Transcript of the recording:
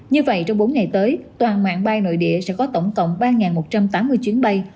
như vậy trong bốn ngày tới toàn mạng bay nội địa sẽ có tổng cộng ba một trăm tám mươi chuyến bay